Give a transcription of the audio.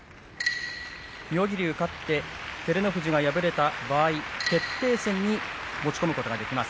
妙義龍、勝って照ノ富士が敗れた場合決定戦に持ち込むことができます。